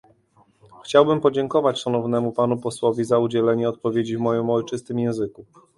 Chciałbym podziękować szanownemu panu posłowi za udzielenie odpowiedzi w moim ojczystym języku